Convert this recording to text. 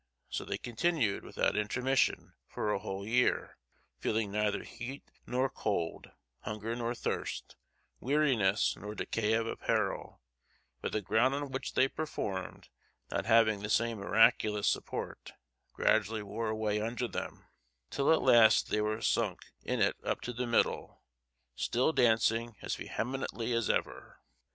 So they continued without intermission, for a whole year, feeling neither heat nor cold, hunger nor thirst, weariness nor decay of apparel; but the ground on which they performed not having the same miraculous support, gradually wore away under them, till at last they were sunk in it up to the middle, still dancing as vehemently as ever.